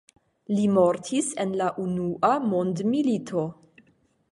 Li mortis en la Unua mondmilito.